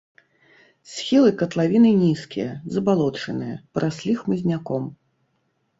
Схілы катлавіны нізкія, забалочаныя, параслі хмызняком.